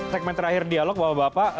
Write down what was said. segmen terakhir dialog bapak bapak